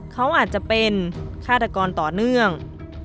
เขาอาจจะเป็นฆาตกรต่อเนื่อง